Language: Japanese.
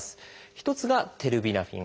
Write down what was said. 一つがテルビナフィン。